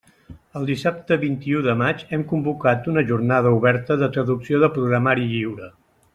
El dissabte vint-i-u de maig hem convocat una Jornada oberta de traducció de programari lliure.